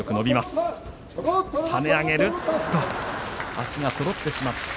足がそろってしまった。